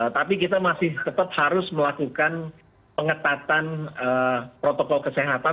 tapi kita masih tetap harus melakukan pengetatan protokol kesehatan